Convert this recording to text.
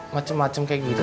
macam macam kayak gitu